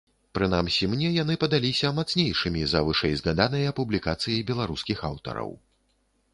Прынамсі, мне яны падаліся мацнейшымі за вышэй згаданыя публікацыі беларускіх аўтараў.